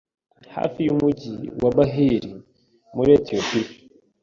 hafi y'umujyi wa Bahiri muri Etiyopiya